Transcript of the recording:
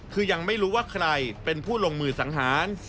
คือยังไม่รู้ว่าใครเป็นผู้ลงมือสังหาร